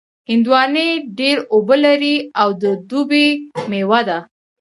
هندوانې ډېر اوبه لري او د دوبي مېوه ده.